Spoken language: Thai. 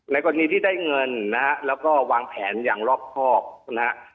กรณีที่ได้เงินนะฮะแล้วก็วางแผนอย่างรอบครอบนะฮะ